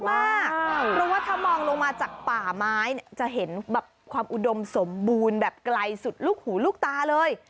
เพราะว่าถ้ามองลงมาจากป่าไม้จะเห็นแบบความอุดมสมบูรณ์แบบไกลสุดลูกหูลูกตาเลย